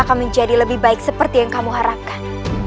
akan menjadi lebih baik seperti yang kamu harapkan